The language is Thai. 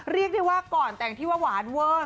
เรียกได้ว่าก่อนแต่งที่ว่าหวานเวอร์